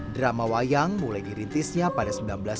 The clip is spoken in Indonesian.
drama wayang mulai dirintisnya pada seribu sembilan ratus sembilan puluh